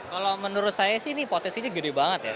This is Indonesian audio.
kalau menurut saya sih ini potensinya gede banget ya